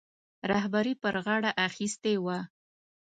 رهبري پر غاړه اخیستې وه.